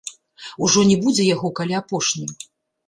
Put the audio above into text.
Ужо не будзе яго, калі апошні.